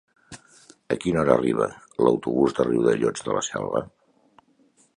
A quina hora arriba l'autobús de Riudellots de la Selva?